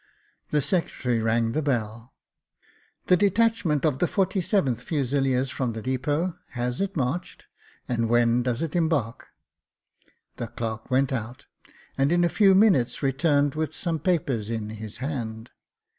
The secretary rang the bell. The detachment of the 47th Fusileers from the depot — has it marched ? And when does it embark ?" The clerk went out, and in a few minutes returned with some papers in his hand.